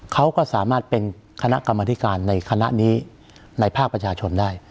เขาก็สามารถเป็นคณะกรรมธิการในคณะนี้ในภาคประชาชนได้